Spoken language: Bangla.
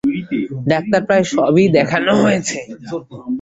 ডাক্তার প্রায় সবই দেখানো হয়েছে।